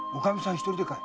一人でかい？